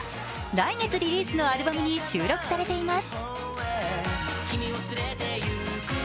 来月リリースのアルバムに収録されています。